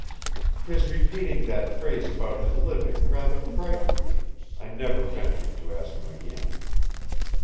His repeating that phrase about his living rather frightened me; I never ventured to ask him again."